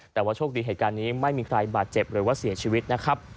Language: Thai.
แต่ว่าโชคดีเหตุการณ์นี้ไม่มีใครบาดเจ็บหรือว่าเสียชีวิตนะครับ